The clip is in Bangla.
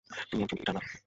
তুমি একজন ইটারনাল।